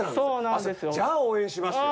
あっ、じゃあ、応援しますよ。